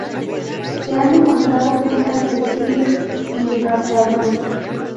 Se han encontrado puntas de sílex y raspadores.